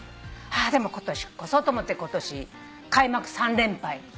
でも今年こそと思って今年開幕３連敗。